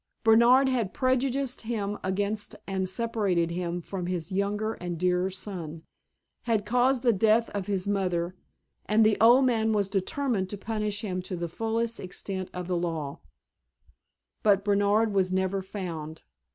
Bernard had prejudiced him against and separated him from his younger and dearer son, had caused the death of his mother, and the old man was determined to punish him to the full extent of the law. But Bernard was never found.